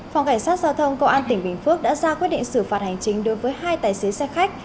phòng cảnh sát giao thông công an tỉnh bình phước đã ra quyết định xử phạt hành chính đối với hai tài xế xe khách